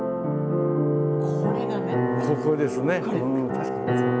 ここですね。